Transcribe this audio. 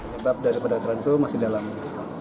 penyebab daripada kerentu masih dalam